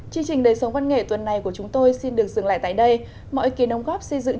chương trình này được thực hiện bởi cộng đồng amara org